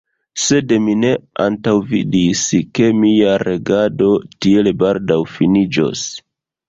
Sed mi ne antaŭvidis, ke mia regado tiel baldaŭ finiĝos.